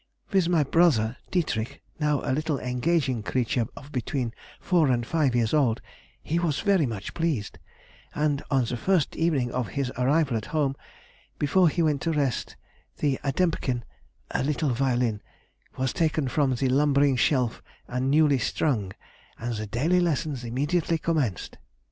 With my brother [Dietrich] now a little engaging creature of between four and five years old—he was very much pleased, and [on the first evening of his arrival at home] before he went to rest, the Adempken (a little violin) was taken from the lumbering shelf and newly strung and the daily lessons immediately commenced....